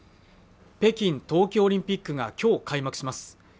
北京冬季オリンピックが今日開幕します